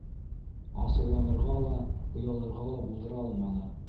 Асыуланырға ла, оялырға ла булдыра алманы.